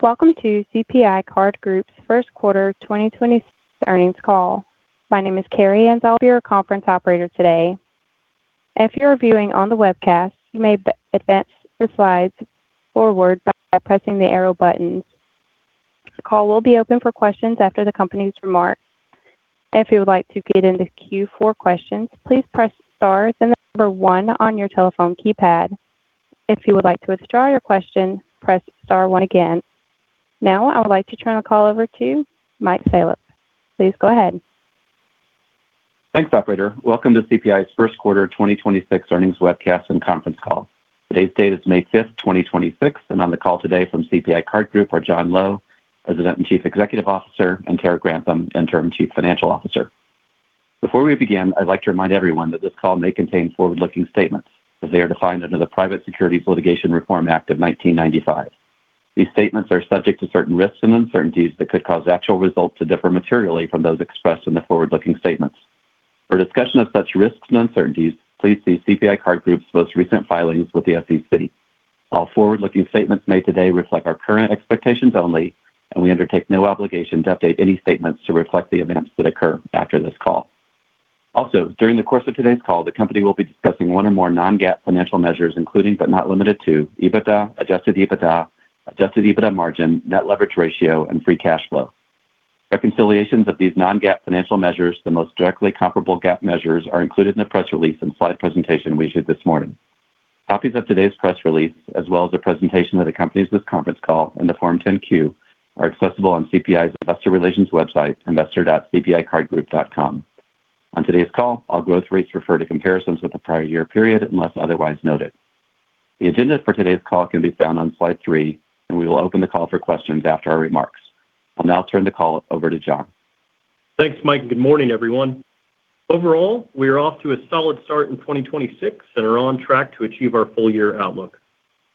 Welcome to CPI Card Group's First Quarter 2026 Earnings Call. My name is Carrie. I'll be your conference operator today. If you are viewing on the webcast, you may advance the slides forward by pressing the arrow buttons. The call will be open for questions after the company's remarks. If you would like to get into queue for questions, please press star, then the number 1 on your telephone keypad. If you would like to withdraw your question, press star 1 again. I would like to turn the call over to Mike Salop. Please go ahead. Thanks, operator. Welcome to CPI's first quarter 2026 earnings webcast and conference call. Today's date is May 5th, 2026, and on the call today from CPI Card Group are John Lowe, President and Chief Executive Officer, and Terra Grantham, Interim Chief Financial Officer. Before we begin, I'd like to remind everyone that this call may contain forward-looking statements, as they are defined under the Private Securities Litigation Reform Act of 1995. These statements are subject to certain risks and uncertainties that could cause actual results to differ materially from those expressed in the forward-looking statements. For discussion of such risks and uncertainties, please see CPI Card Group's most recent filings with the SEC. All forward-looking statements made today reflect our current expectations only, and we undertake no obligation to update any statements to reflect the events that occur after this call. Also, during the course of today's call, the company will be discussing one or more non-GAAP financial measures, including but not limited to EBITDA, Adjusted EBITDA, Adjusted EBITDA margin, Net Leverage Ratio, and Free Cash Flow. Reconciliations of these non-GAAP financial measures to the most directly comparable GAAP measures are included in the press release and slide presentation we issued this morning. Copies of today's press release, as well as a presentation that accompanies this conference call and the Form 10-Q, are accessible on CPI's investor relations website, investor.cpicardgroup.com. On today's call, all growth rates refer to comparisons with the prior year period, unless otherwise noted. The agenda for today's call can be found on slide 3, and we will open the call for questions after our remarks. I'll now turn the call over to John. Thanks, Mike. Good morning, everyone. Overall, we are off to a solid start in 2026 and are on track to achieve our full-year outlook.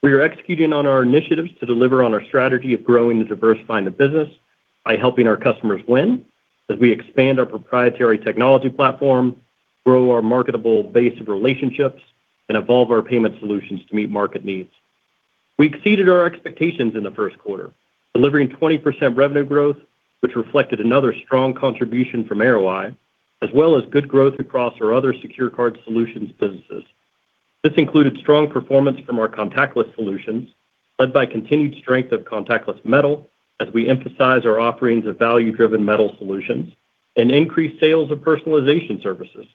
We are executing on our initiatives to deliver on our strategy of growing and diversifying the business by helping our customers win as we expand our proprietary technology platform, grow our marketable base of relationships, and evolve our payment solutions to meet market needs. We exceeded our expectations in the first quarter, delivering 20% revenue growth, which reflected another strong contribution from Arroweye, as well as good growth across our other secure card solutions businesses. This included strong performance from our contactless solutions, led by continued strength of contactless metal as we emphasize our offerings of value-driven metal solutions and increased sales of personalization services.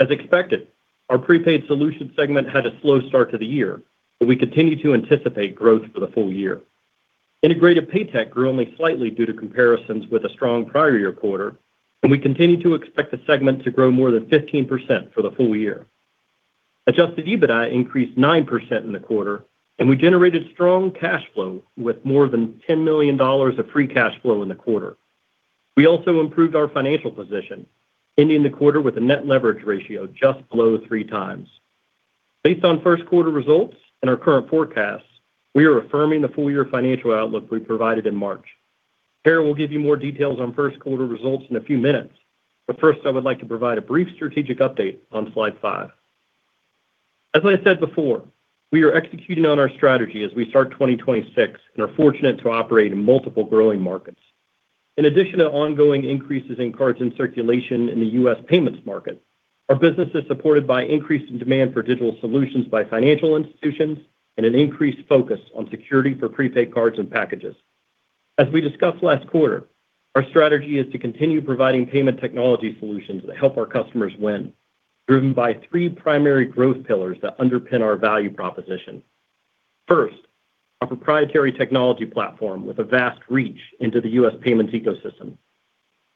As expected, our Prepaid Solutions segment had a slow start to the year, but we continue to anticipate growth for the full year. Integrated PayTech grew only slightly due to comparisons with a strong prior year quarter, and we continue to expect the segment to grow more than 15% for the full year. Adjusted EBITDA increased 9% in the quarter, and we generated strong cash flow with more than $10 million of Free Cash Flow in the quarter. We also improved our financial position, ending the quarter with a Net Leverage Ratio just below 3x. Based on first quarter results and our current forecasts, we are affirming the full-year financial outlook we provided in March. Terra Grantham will give you more details on first quarter results in a few minutes, but first, I would like to provide a brief strategic update on slide 5. As I said before, we are executing on our strategy as we start 2026 and are fortunate to operate in multiple growing markets. In addition to ongoing increases in cards in circulation in the U.S. payments market, our business is supported by increased demand for digital solutions by financial institutions and an increased focus on security for prepaid cards and packages. As we discussed last quarter, our strategy is to continue providing payment technology solutions that help our customers win, driven by three primary growth pillars that underpin our value proposition. First, our proprietary technology platform with a vast reach into the U.S. payments ecosystem.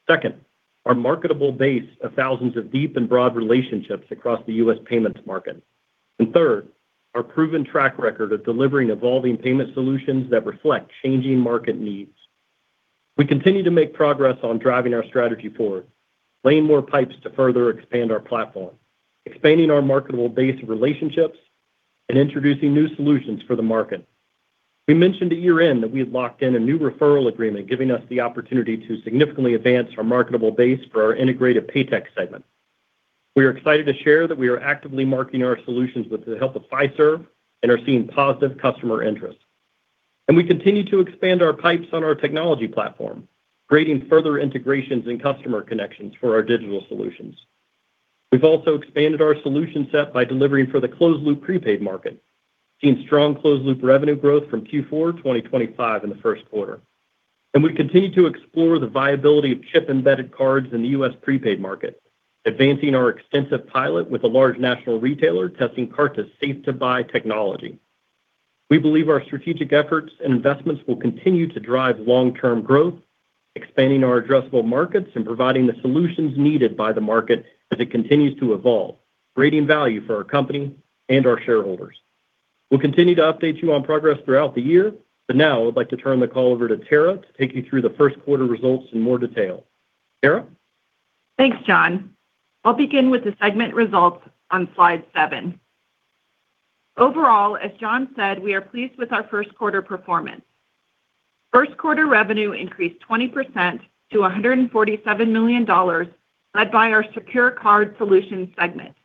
Second, our marketable base of thousands of deep and broad relationships across the U.S. payments market. Third, our proven track record of delivering evolving payment solutions that reflect changing market needs. We continue to make progress on driving our strategy forward, laying more pipes to further expand our platform, expanding our marketable base of relationships, and introducing new solutions for the market. We mentioned at year-end that we had locked in a new referral agreement giving us the opportunity to significantly advance our marketable base for our Integrated PayTech segment. We are excited to share that we are actively marketing our solutions with the help of Fiserv and are seeing positive customer interest. We continue to expand our pipes on our technology platform, creating further integrations and customer connections for our digital solutions. We've also expanded our solution set by delivering for the closed-loop prepaid market, seeing strong closed-loop revenue growth from Q4 2025 in the first quarter. We continue to explore the viability of chip-embedded cards in the U.S. prepaid market, advancing our extensive pilot with a large national retailer testing card-to-safe-to-buy technology. We believe our strategic efforts and investments will continue to drive long-term growth, expanding our addressable markets and providing the solutions needed by the market as it continues to evolve, creating value for our company and our shareholders. We'll continue to update you on progress throughout the year, but now I would like to turn the call over to Terra to take you through the first quarter results in more detail. Terra? Thanks, John. I'll begin with the segment results on slide 7. Overall, as John said, we are pleased with our first quarter performance. First quarter revenue increased 20% to $147 million, led by our secure card solutions segment.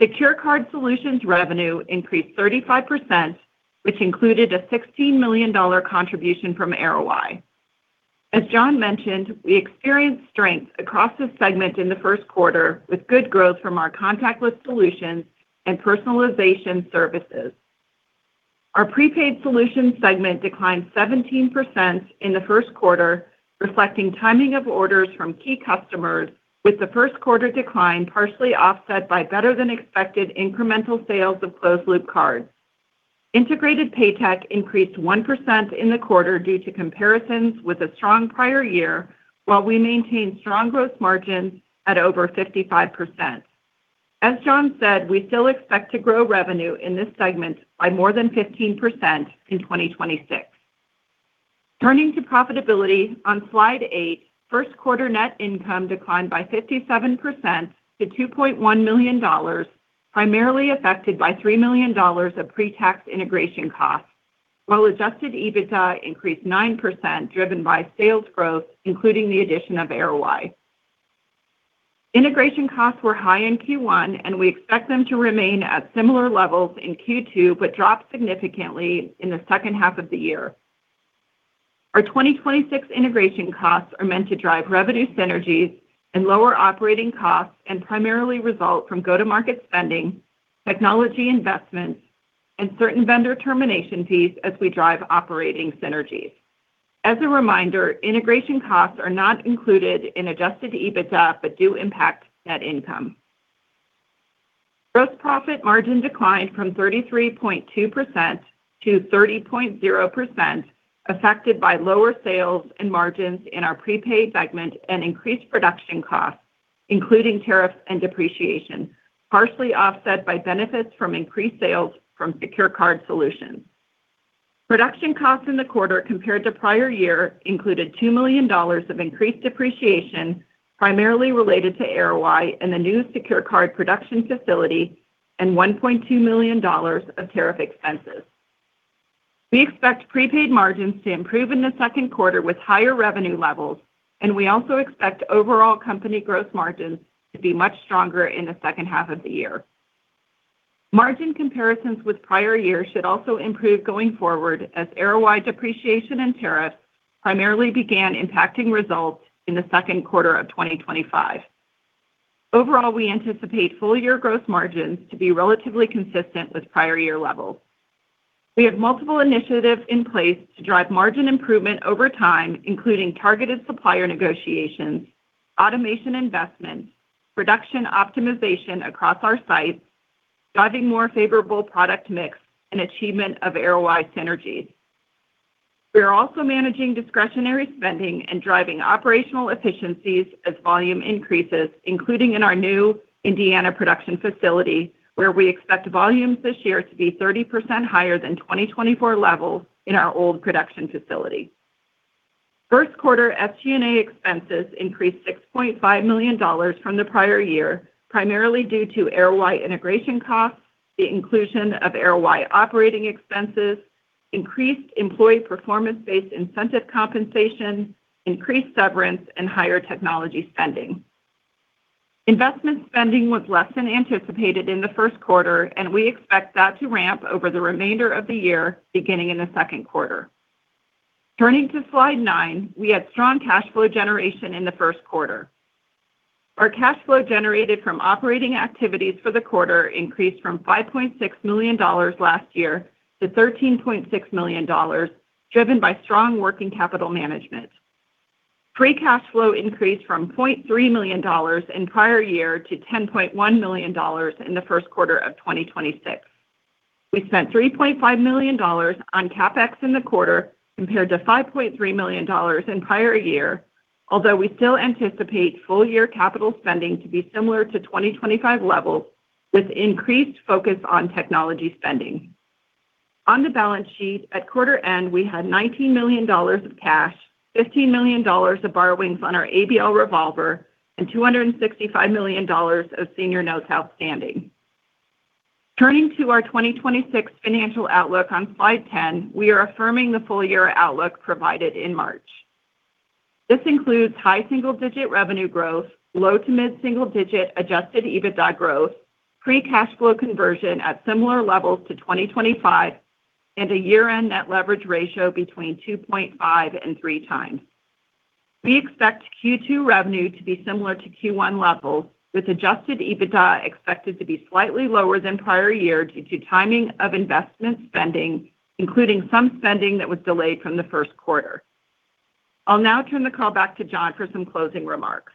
Secure card solutions revenue increased 35%, which included a $16 million contribution from Arroweye. As John mentioned, we experienced strength across the segment in the first quarter with good growth from our contactless solutions and personalization services. Our prepaid solutions segment declined 17% in the first quarter, reflecting timing of orders from key customers with the first quarter decline partially offset by better than expected incremental sales of closed loop cards. Integrated PayTech increased 1% in the quarter due to comparisons with a strong prior year, while we maintained strong growth margins at over 55%. As John said, we still expect to grow revenue in this segment by more than 15% in 2026. Turning to profitability on slide eight, first quarter net income declined by 57% to $2.1 million, primarily affected by $3 million of pre-tax integration costs, while Adjusted EBITDA increased 9% driven by sales growth, including the addition of Arroweye. Integration costs were high in Q1, and we expect them to remain at similar levels in Q2, but drop significantly in the second half of the year. Our 2026 integration costs are meant to drive revenue synergies and lower operating costs and primarily result from go-to-market spending, technology investments, and certain vendor termination fees as we drive operating synergies. As a reminder, integration costs are not included in Adjusted EBITDA but do impact net income. Gross profit margin declined from 33.2% to 30.0%, affected by lower sales and margins in our prepaid segment and increased production costs, including tariffs and depreciation, partially offset by benefits from increased sales from secure card solutions. Production costs in the quarter compared to prior year included $2 million of increased depreciation, primarily related to Arroweye and the new secure card production facility and $1.2 million of tariff expenses. We expect prepaid margins to improve in the second quarter with higher revenue levels. We also expect overall company growth margins to be much stronger in the second half of the year. Margin comparisons with prior years should also improve going forward as Arroweye depreciation and tariffs primarily began impacting results in the second quarter of 2025. Overall, we anticipate full-year growth margins to be relatively consistent with prior year levels. We have multiple initiatives in place to drive margin improvement over time, including targeted supplier negotiations, automation investments, production optimization across our sites, driving more favorable product mix, and achievement of Arroweye synergies. We are also managing discretionary spending and driving operational efficiencies as volume increases, including in our new Indiana production facility, where we expect volumes this year to be 30% higher than 2024 levels in our old production facility. First quarter SG&A expenses increased $6.5 million from the prior year, primarily due to Arroweye integration costs, the inclusion of Arroweye operating expenses, increased employee performance-based incentive compensation, increased severance, and higher technology spending. Investment spending was less than anticipated in the first quarter, and we expect that to ramp over the remainder of the year, beginning in the second quarter. Turning to slide 9, we had strong cash flow generation in the first quarter. Our cash flow generated from operating activities for the quarter increased from $5.6 million last year to $13.6 million, driven by strong working capital management. Free cash flow increased from $0.3 million in prior year to $10.1 million in the first quarter of 2026. We spent $3.5 million on CapEx in the quarter compared to $5.3 million in prior year, although we still anticipate full-year capital spending to be similar to 2025 levels with increased focus on technology spending. On the balance sheet, at quarter end, we had $19 million of cash, $15 million of borrowings on our ABL revolver, and $265 million of senior notes outstanding. Turning to our 2026 financial outlook on slide 10, we are affirming the full-year outlook provided in March. This includes high single-digit revenue growth, low to mid-single digit Adjusted EBITDA growth, Free Cash Flow conversion at similar levels to 2025, and a year-end Net Leverage Ratio between 2.5x and 3x. We expect Q2 revenue to be similar to Q1 levels, with Adjusted EBITDA expected to be slightly lower than prior year due to timing of investment spending, including some spending that was delayed from the first quarter. I'll now turn the call back to John for some closing remarks.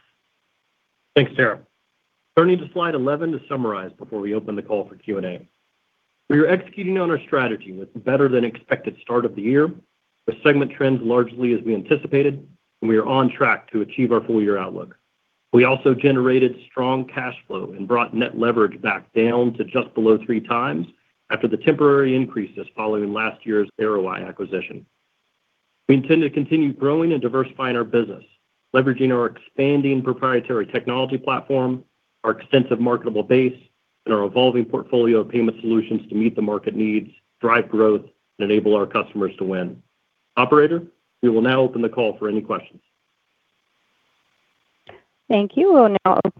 Thanks, Terra. Turning to slide 11 to summarize before we open the call for Q&A. We are executing on our strategy with better than expected start of the year, with segment trends largely as we anticipated, and we are on track to achieve our full-year outlook. We also generated strong cash flow and brought net leverage back down to just below 3x after the temporary increases following last year's Arroweye acquisition. We intend to continue growing and diversifying our business, leveraging our expanding proprietary technology platform, our extensive marketable base, and our evolving portfolio of payment solutions to meet the market needs, drive growth, and enable our customers to win. Operator, we will now open the call for any questions Thank you. We'll now open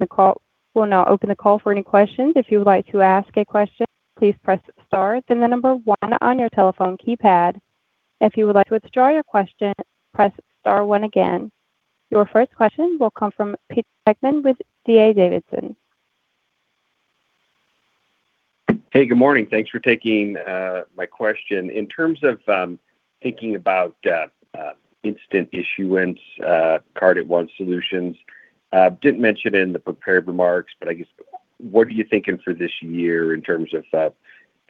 the call for any questions. If you would like to ask a question, please press star, then the number 1 on your telephone keypad. If you would like to withdraw your question, press star 1 again. Your first question will come from Pete Heckmann with D.A. Davidson. Hey, good morning. Thanks for taking my question. In terms of thinking about instant issuance Card@Once solutions, I guess what are you thinking for this year in terms of kind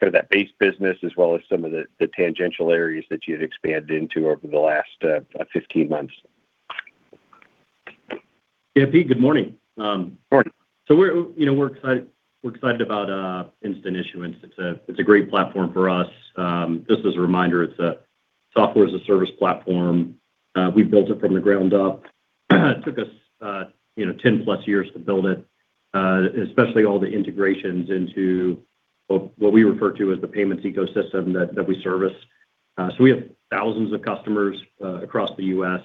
of that base business as well as some of the tangential areas that you had expanded into over the last 15 months? Yeah, Pete, good morning. Morning. We're, you know, we're excited about instant issuance. It's a great platform for us. Just as a reminder, it's a Software as a Service platform. We built it from the ground up. It took us, you know, 10+ years to build it, especially all the integrations into what we refer to as the payments ecosystem that we service. We have thousands of customers across the U.S.,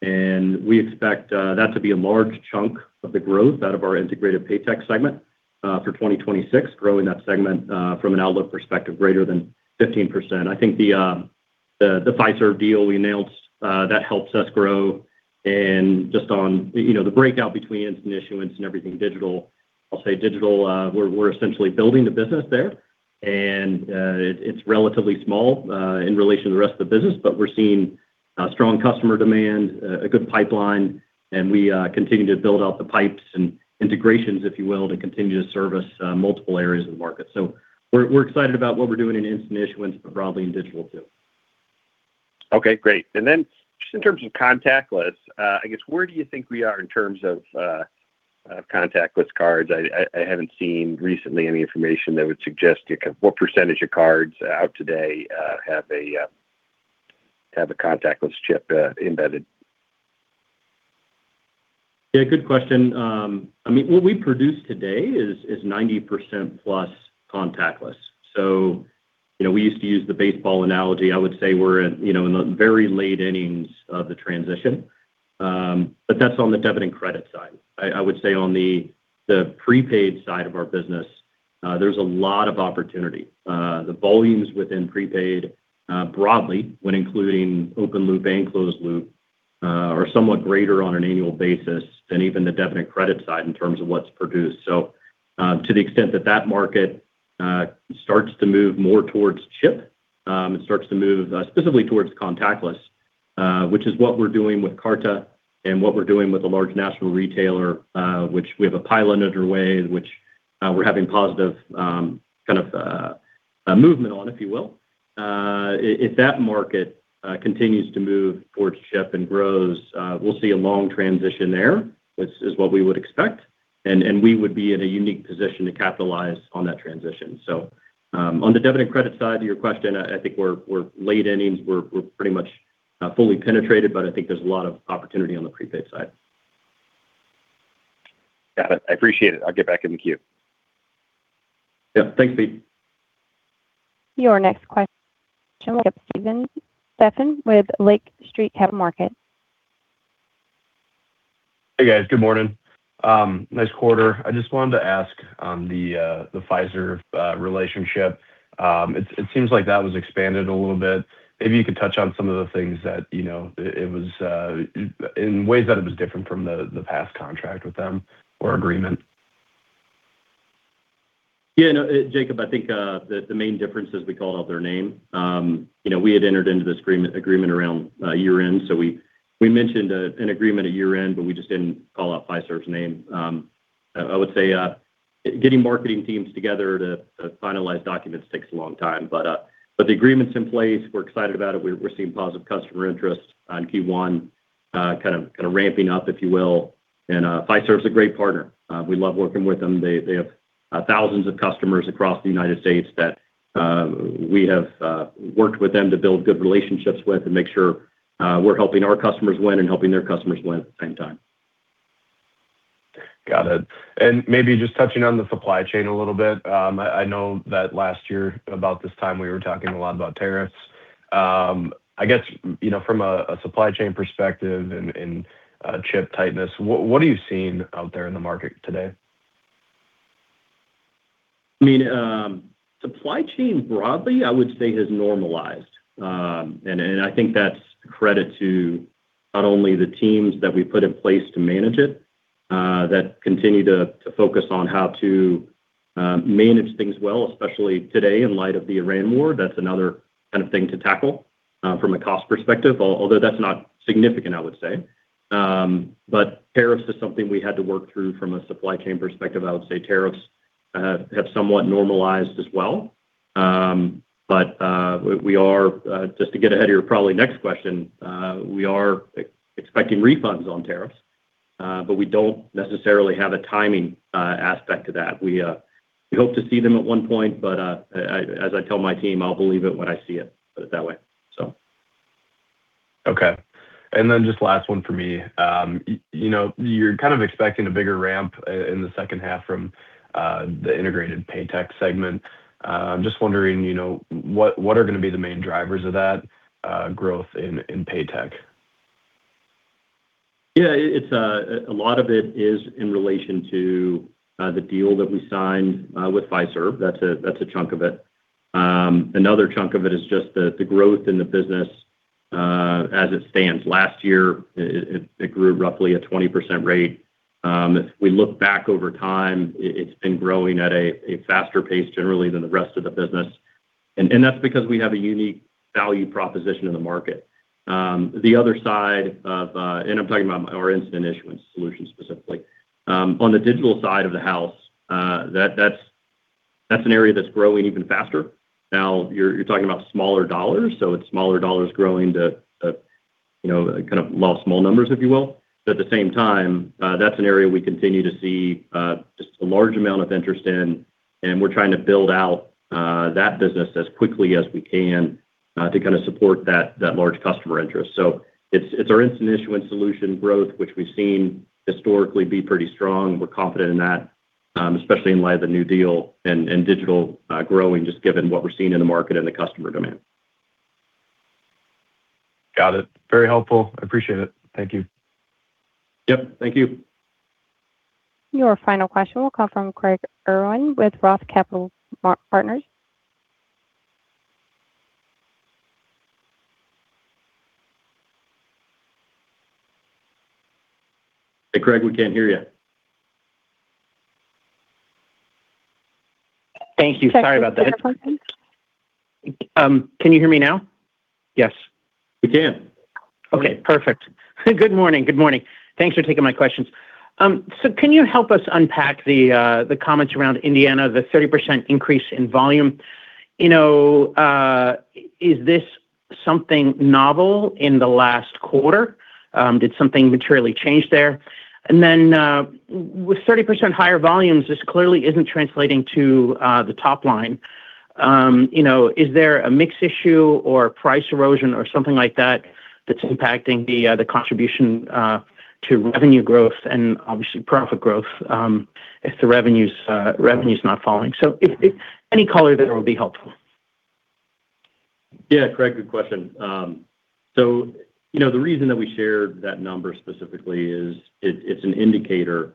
and we expect that to be a large chunk of the growth out of our Integrated PayTech segment for 2026, growing that segment from an outlook perspective greater than 15%. I think the Fiserv deal we nailed that helps us grow. Just on, you know, the breakout between instant issuance and everything digital, I'll say digital, we're essentially building the business there. It's relatively small, in relation to the rest of the business, but we're seeing strong customer demand, a good pipeline. We continue to build out the pipes and integrations, if you will, to continue to service multiple areas of the market. We're excited about what we're doing in instant issuance, but broadly in digital too. Okay, great. Then just in terms of contactless, I guess where do you think we are in terms of contactless cards? I haven't seen recently any information that would suggest what percentage of cards out today have a contactless chip embedded. Yeah, good question. I mean, what we produce today is 90%+ contactless. You know, we used to use the baseball analogy. I would say we're in, you know, in the very late innings of the transition. That's on the debit and credit side. I would say on the prepaid side of our business, there's a lot of opportunity. The volumes within prepaid, broadly, when including open loop and closed loop, are somewhat greater on an annual basis than even the debit and credit side in terms of what's produced. To the extent that that market starts to move more towards chip, it starts to move specifically towards contactless, which is what we're doing with Karta and what we're doing with a large national retailer, which we have a pilot underway, which we're having positive kind of movement on, if you will. If that market continues to move towards chip and grows, we'll see a long transition there, which is what we would expect. And we would be in a unique position to capitalize on that transition. On the debit and credit side to your question, I think we're late innings. We're pretty much fully penetrated, but I think there's a lot of opportunity on the prepaid side. Got it. I appreciate it. I'll get back in the queue. Yeah. Thanks, Pete. Your next question, Jacob Stephan with Lake Street Capital Markets. Hey, guys. Good morning. Nice quarter. I just wanted to ask on the Fiserv relationship. It seems like that was expanded a little bit. Maybe you could touch on some of the things that, you know, it was in ways that it was different from the past contract with them or agreement. Yeah, no, Jacob, I think, the main difference is we called out their name. You know, we had entered into this agreement around year-end. We, we mentioned an agreement at year-end, but we just didn't call out Fiserv's name. I would say, getting marketing teams together to finalize documents takes a long time. The agreement's in place. We're excited about it. We're, we're seeing positive customer interest on Q1, kind of ramping up, if you will. Fiserv is a great partner. We love working with them. They have, thousands of customers across the United States that we have worked with them to build good relationships with and make sure we're helping our customers win and helping their customers win at the same time. Got it. Maybe just touching on the supply chain a little bit. I know that last year about this time we were talking a lot about tariffs. I guess, you know, from a supply chain perspective and chip tightness, what are you seeing out there in the market today? I mean, supply chain broadly, I would say has normalized. I think that's credit to not only the teams that we put in place to manage it, that continue to focus on how to manage things well, especially today in light of the Iran War. That's another kind of thing to tackle from a cost perspective, although that's not significant, I would say. Tariffs is something we had to work through from a supply chain perspective. I would say tariffs have somewhat normalized as well. We are just to get ahead of your probably next question, we are expecting refunds on tariffs. We don't necessarily have a timing aspect to that. We hope to see them at one point, but, as I tell my team, I'll believe it when I see it, put it that way. Okay. Just last one for me. You know, you're kind of expecting a bigger ramp in the second half from the Integrated PayTech segment. I'm just wondering, you know, what are gonna be the main drivers of that growth in PayTech? A lot of it is in relation to the deal that we signed with Fiserv. That's a chunk of it. Another chunk of it is just the growth in the business as it stands. Last year, it grew roughly a 20% rate. If we look back over time, it's been growing at a faster pace generally than the rest of the business and that's because we have a unique value proposition in the market. The other side of, and I'm talking about our instant issuance solution specifically. On the digital side of the house, that's an area that's growing even faster. You're talking about smaller dollars, so it's smaller dollars growing to a kind of small numbers, if you will. At the same time, that's an area we continue to see just a large amount of interest in, and we're trying to build out that business as quickly as we can to kind of support that large customer interest. It's our instant issuance solution growth, which we've seen historically be pretty strong. We're confident in that, especially in light of the new deal and digital growing, just given what we're seeing in the market and the customer demand. Got it. Very helpful. I appreciate it. Thank you. Yep. Thank you. Your final question will come from Craig Irwin with ROTH Capital Partners. Hey, Craig, we can't hear you. Thank you. Sorry about that. Check your headphones. Can you hear me now? Yes. We can. Okay. Perfect. Good morning. Good morning. Thanks for taking my questions. Can you help us unpack the comments around instant issuance, the 30% increase in volume? You know, is this something novel in the last quarter? Did something materially change there? With 30% higher volumes, this clearly isn't translating to the top line. You know, is there a mix issue or price erosion or something like that that's impacting the contribution to revenue growth and obviously profit growth, if the revenues, revenue's not falling? Any color there will be helpful. Yeah. Craig, good question. You know, the reason that we shared that number specifically is it's an indicator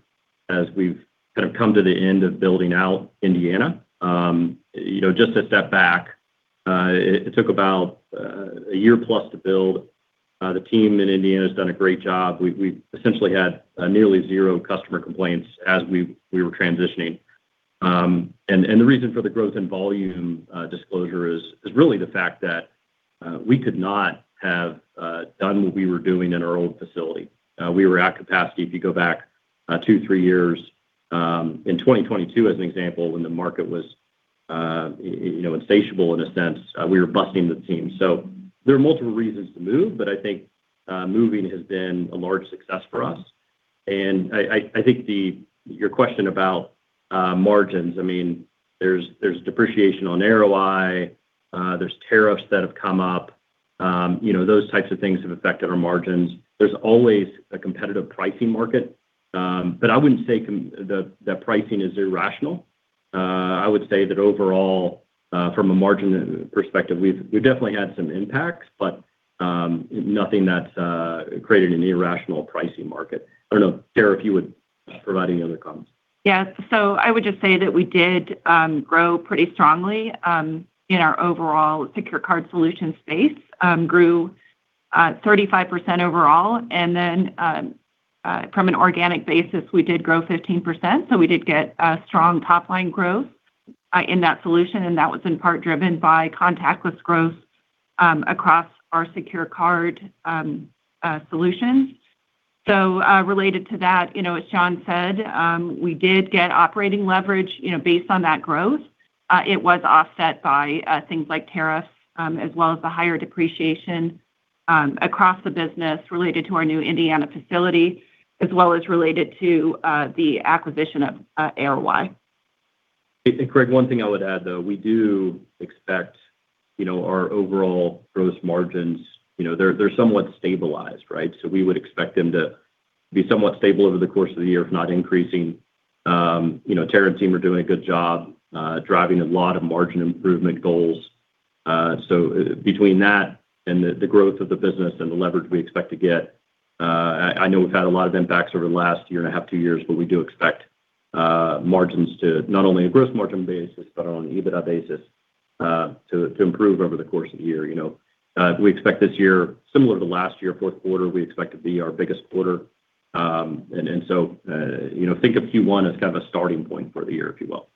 as we've kind of come to the end of building out Indiana. You know, just to step back, it took about a year plus to build. The team in Indiana has done a great job. We essentially had nearly zero customer complaints as we were transitioning. And the reason for the growth in volume disclosure is really the fact that we could not have done what we were doing in our old facility. We were at capacity. If you go back two, three years, in 2022 as an example, when the market was, you know, insatiable in a sense, we were busting at the seams. There are multiple reasons to move, but I think moving has been a large success for us. I think your question about margins, I mean, there's depreciation on Arroweye. There's tariffs that have come up. You know, those types of things have affected our margins. There's always a competitive pricing market. I wouldn't say that pricing is irrational. I would say that overall, from a margin perspective, we've definitely had some impacts, nothing that's created an irrational pricing market. I don't know, Terra, if you would provide any other comments. Yes. I would just say that we did grow pretty strongly in our overall secure card solutions space. Grew 35% overall, and then, from an organic basis, we did grow 15%, so we did get a strong top line growth in that solution, and that was in part driven by contactless growth across our secure card solutions. Related to that, you know, as John said, we did get operating leverage, you know, based on that growth. It was offset by things like tariffs, as well as the higher depreciation across the business related to our new Indiana facility, as well as related to the acquisition of Arroweye. Craig, one thing I would add, though, we do expect, you know, our overall gross margins, you know, they're somewhat stabilized, right? We would expect them to be somewhat stable over the course of the year, if not increasing. You know, Terra and team are doing a good job driving a lot of margin improvement goals. Between that and the growth of the business and the leverage we expect to get, I know we've had a lot of impacts over the last year and a half, two years, but we do expect margins to not only a gross margin basis, but on an EBITDA basis, to improve over the course of the year. You know, we expect this year similar to last year, fourth quarter we expect to be our biggest quarter. You know, think of Q1 as kind of a starting point for the year, if you will.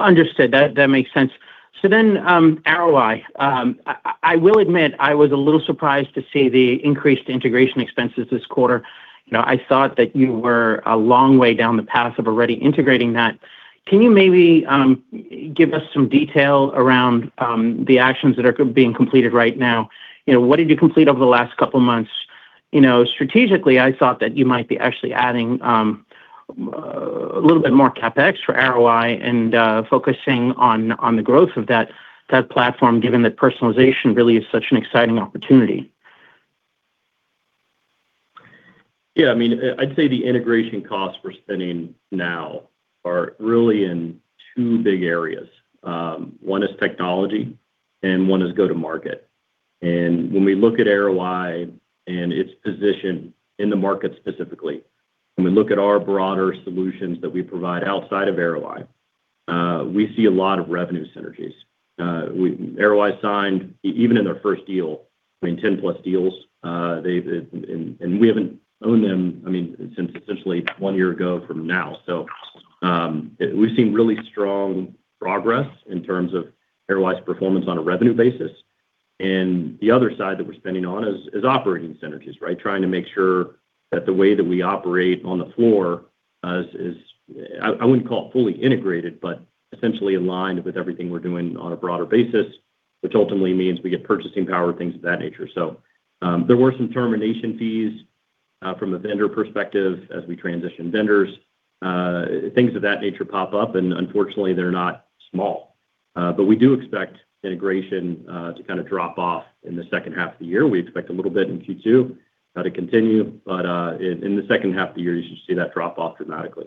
Understood. That makes sense. I will admit I was a little surprised to see the increased integration expenses this quarter. You know, I thought that you were a long way down the path of already integrating that. Can you maybe give us some detail around the actions that are being completed right now? You know, what did you complete over the last couple of months? You know, strategically, I thought that you might be actually adding a little bit more CapEx for Arroweye and focusing on the growth of that platform, given that personalization really is such an exciting opportunity. Yeah, I mean, I'd say the integration costs we're spending now are really in two big areas. 1 is technology and one is go-to-market. When we look at Arroweye and its position in the market specifically, when we look at our broader solutions that we provide outside of Arroweye, we see a lot of revenue synergies. We Arroweye signed even in their first deal, I mean, 10+ deals. They've. We haven't owned them, I mean, since essentially one year ago from now. We've seen really strong progress in terms of Arroweye's performance on a revenue basis. The other side that we're spending on is operating synergies, right? Trying to make sure that the way that we operate on the floor is, I wouldn't call it fully integrated, but essentially aligned with everything we're doing on a broader basis, which ultimately means we get purchasing power, things of that nature. There were some termination fees from a vendor perspective as we transition vendors. Things of that nature pop up, unfortunately, they're not small. We do expect integration kind of drop off in the second half of the year. We expect a little bit in Q2 to continue, in the second half of the year, you should see that drop off dramatically.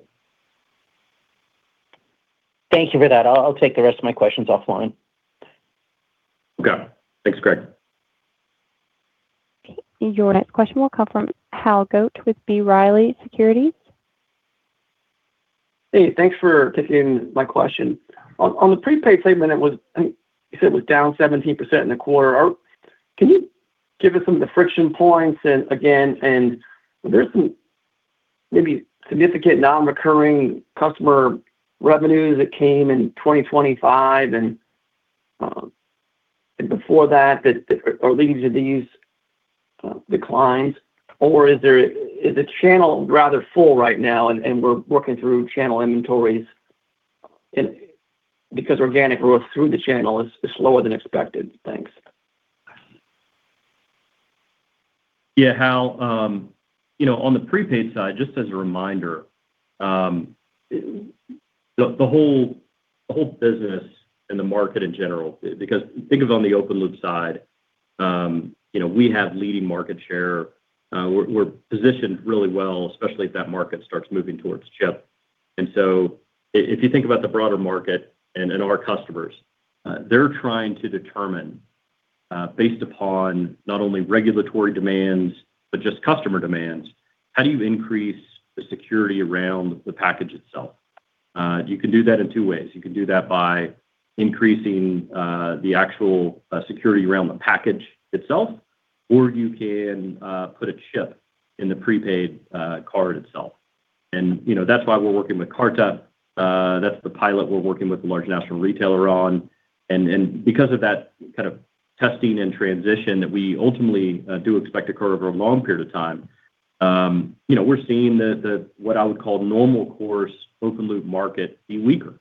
Thank you for that. I'll take the rest of my questions offline. Okay. Thanks, Craig Irwin. Your next question will come from Hal Goetsch with B. Riley Securities. Hey, thanks for taking my question. On the prepaid segment, I think you said it was down 17% in the quarter. Can you give us some of the friction points? Again, were there some maybe significant non-recurring customer revenues that came in 2025 and before that are leading to these declines? Or is the channel rather full right now, and we're working through channel inventories because organic growth through the channel is slower than expected? Thanks. Yeah, Hal. You know, on the prepaid side, just as a reminder, the whole business and the market in general, because think of on the open loop side, you know, we have leading market share. We're positioned really well, especially if that market starts moving towards chip. If you think about the broader market and our customers, they're trying to determine, based upon not only regulatory demands, but just customer demands, how do you increase the security around the package itself? You can do that in two ways. You can do that by increasing the actual security around the package itself, or you can put a chip in the prepaid card itself. You know, that's why we're working with Karta. That's the pilot we're working with a large national retailer on. Because of that kind of testing and transition that we ultimately do expect to occur over a long period of time, you know, we're seeing the what I would call normal course open loop market be weaker.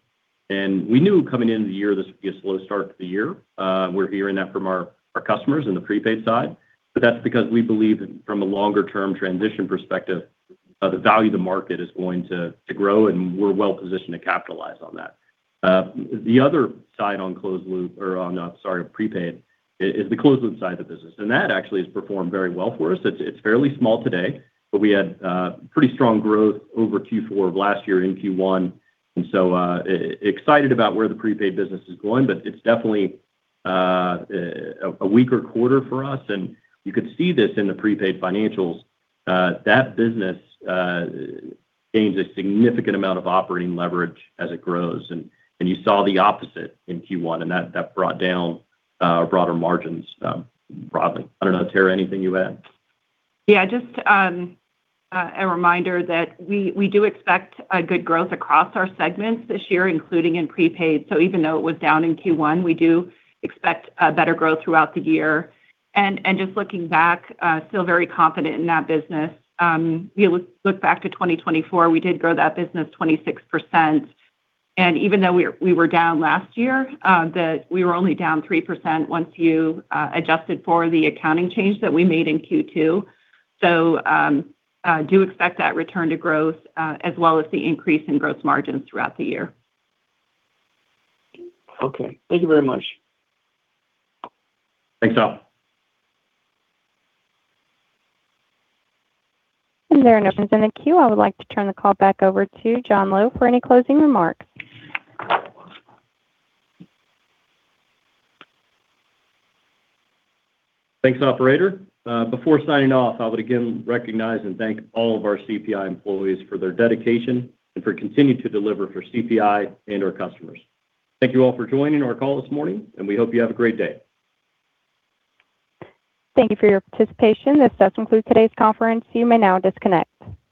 We knew coming into the year this would be a slow start to the year. We're hearing that from our customers in the prepaid side. That's because we believe from a longer term transition perspective, the value of the market is going to grow, and we're well positioned to capitalize on that. The other side on closed loop or on, sorry, prepaid is the closed loop side of the business, and that actually has performed very well for us. It's fairly small today, but we had pretty strong growth over Q4 of last year in Q1. Excited about where the prepaid business is going, but it's definitely a weaker quarter for us. You could see this in the prepaid financials. That business gains a significant amount of operating leverage as it grows. You saw the opposite in Q1, and that brought down broader margins broadly. I don't know, Terra, anything you add? Just a reminder that we do expect good growth across our segments this year, including in prepaid. Even though it was down in Q1, we do expect better growth throughout the year. Just looking back, still very confident in that business. You know, look back to 2024, we did grow that business 26%. Even though we were down last year, we were only down 3% once you adjusted for the accounting change that we made in Q2. Do expect that return to growth as well as the increase in gross margins throughout the year. Okay. Thank you very much. Thanks, Hal. There are no questions in the queue. I would like to turn the call back over to John Lowe for any closing remarks. Thanks, operator. Before signing off, I would again recognize and thank all of our CPI employees for their dedication and for continuing to deliver for CPI and our customers. Thank you all for joining our call this morning, and we hope you have a great day. Thank you for your participation. This does conclude today's conference. You may now disconnect.